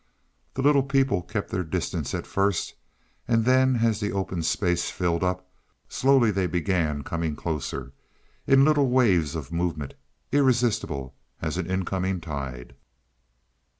The little people kept their distance at first, and then as the open space filled up, slowly they began coming closer, in little waves of movement, irresistible as an incoming tide.